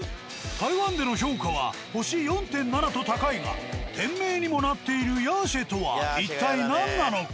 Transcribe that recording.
台湾での評価は星４．７と高いが店名にもなっている鴨血とは一体何なのか？